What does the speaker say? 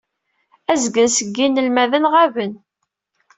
Azgen seg yinelmaden ɣaben.